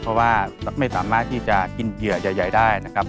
เพราะว่าไม่สามารถที่จะกินเหยื่อใหญ่ได้นะครับ